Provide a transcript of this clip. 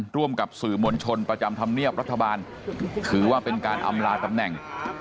ร่วมกับสื่อมวลชนประจำธรรมเนียบรัฐบาลถือว่าเป็นการอำลาตำแหน่ง